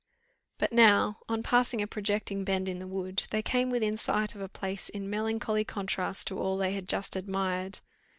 But now, on passing a projecting bend in the wood, they came within sight of a place in melancholy contrast to all they had just admired.